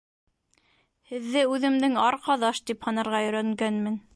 Һеҙҙе үҙемдең арҡаҙаш тип һанарға өйрәнгәнмен.